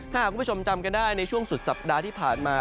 ถ้าหากคุณผู้ชมจำกันได้ในช่วงสุดสัปดาห์ที่ผ่านมา